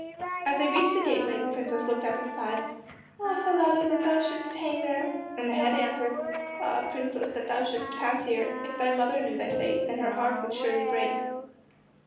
As they reached the gateway the Princess looked up and sighed: "Ah, Falada, that thou shouldst hang there!" And the head answered: "Ah, Princess, that thou shouldst pass here! If thy mother knew thy fate, Then her heart would surely break."